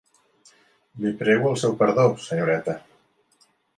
Li prego al seu perdó, senyoreta!